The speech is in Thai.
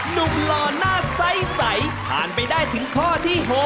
หล่อหน้าใสผ่านไปได้ถึงข้อที่๖